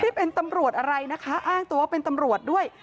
ไม่ได้เป็นตำรวจอะไรนะคะอ้างตัวว่าเป็นตำรวจด้วย